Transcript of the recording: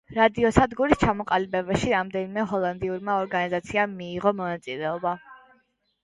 რადიოსადგურის ჩამოყალიბებაში რამდენიმე ჰოლანდიურმა ორგანიზაციამ მიიღო მონაწილეობა.